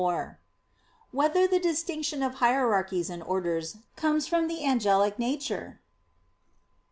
4] Whether the Distinction of Hierarchies and Orders Comes from the Angelic Nature?